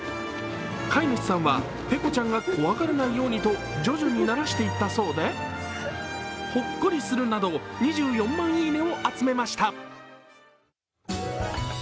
飼い主さんはペコちゃんが怖がらないようにと徐々にならしていったそうで２４万いいねを集めました。